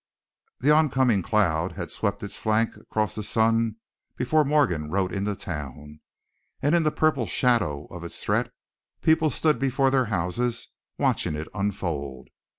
The oncoming cloud had swept its flank across the sun before Morgan rode into town, and in the purple shadow of its threat people stood before their houses, watching it unfold.